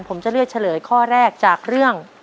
ผมจะเลือกเฉลยข้อแรกจากเรื่อง